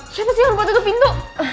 siapa sih yang lupa tutup pintu